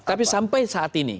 tapi sampai saat ini